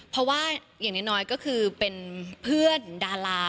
เพราะว่าอย่างน้อยก็คือเป็นเพื่อนดารา